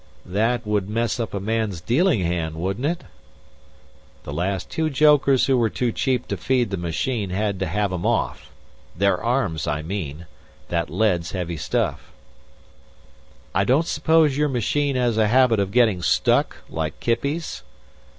"That would mess up a man's dealing hand, wouldn't it?" "The last two jokers who were too cheap to feed the machine had to have 'em off. Their arms, I mean. That lead's heavy stuff." "I don't suppose your machine has a habit of getting stuck, like Kippy's?"